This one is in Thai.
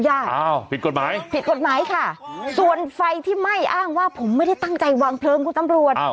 อ้าวผิดกฎหมายผิดกฎหมายค่ะส่วนไฟที่ไหม้อ้างว่าผมไม่ได้ตั้งใจวางเพลิงคุณตำรวจ